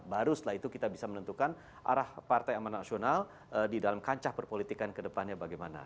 baru setelah itu kita bisa menentukan arah partai amanat nasional di dalam kancah perpolitikan kedepannya bagaimana